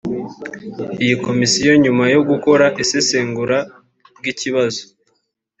iyi Komisiyo nyuma yo gukora isesengura ry’ikibazo